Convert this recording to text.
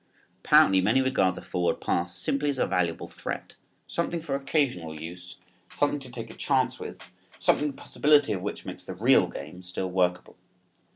Apparently many regard the forward pass simply as a valuable threat, something for occasional use, something to take a chance with, something the possibility of which makes the real game still workable.